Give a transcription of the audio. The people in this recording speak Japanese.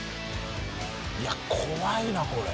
いや怖いなこれ。